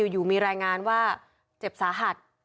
อยู่มีรายงานว่าเจ็บสาหัส